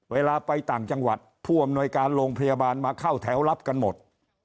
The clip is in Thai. เวลาไปต่างจังหวัดผู้อำนวยการโรงพยาบาลมาเข้าแถวรับกันหมด